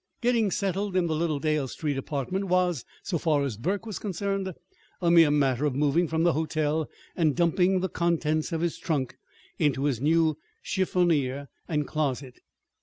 Getting settled in the little Dale Street apartment was, so far as Burke was concerned, a mere matter of moving from the hotel and dumping the contents of his trunk into his new chiffonier and closet.